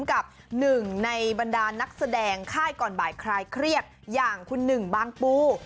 กับหนึ่งในบรรดานักแสดงค่ายก่อนบ่ายคลายเครียดอย่างคุณหนึ่งบางปู